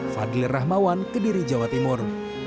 fadli rahmawan kediri jawa timur